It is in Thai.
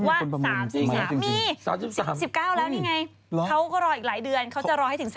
ว่า๓๔๙แล้วนี่ไงเขาก็รออีกหลายเดือนเขาจะรอให้ถึง๓๐